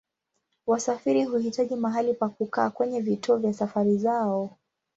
Wasafiri huhitaji mahali pa kukaa kwenye vituo vya safari zao.